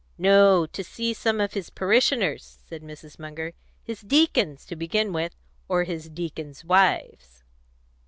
"No; to see some of his parishioners," said Mrs. Munger. "His deacons, to begin with, or his deacons' wives."